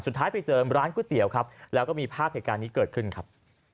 สุดท้ายไปเจอร้านก๋วยเตี๋ยวครับแล้วก็มีภาพเหตุการณ์นี้เกิดขึ้นครับ